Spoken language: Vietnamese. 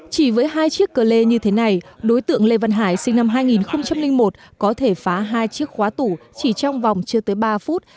chỉ với hai chiếc cờ lê như thế này đối tượng lê văn hải sinh năm hai nghìn một có thể phá hai chiếc khóa tủ chỉ trong vòng chưa tới ba phút